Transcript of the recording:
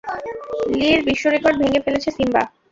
লির বিশ্বরেকর্ড ভেঙে ফেলেছে সিম্বা!